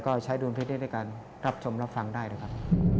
ก็ใช้ดุลพินิษฐในการรับชมรับฟังได้นะครับ